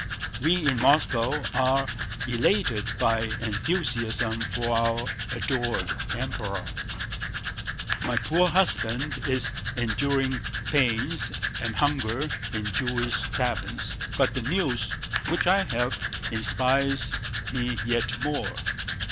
We in Moscow are elated by enthusiasm for our adored Emperor. "My poor husband is enduring pains and hunger in Jewish taverns, but the news which I have inspires me yet more.